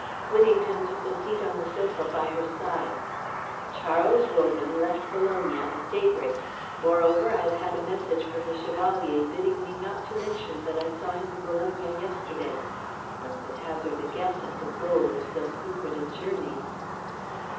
Whittington took a seat on the sofa by her side. "Charles Wogan left Bologna at daybreak. Moreover, I have had a message from the Chevalier bidding me not to mention that I saw him in Bologna yesterday. One could hazard a guess at the goal of so secret a journey."